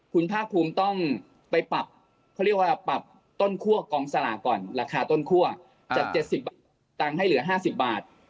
คุณภาครภูมิต้องไปปรับกองสลาก่อนราคาต้นข้วจาก๗๐บางให้เหลือ๕๐บาท